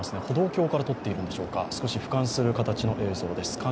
歩道橋から撮っているんでしょうか、少し俯瞰する形の映像です。